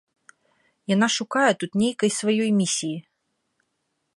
Яна шукае тут нейкай свае місіі.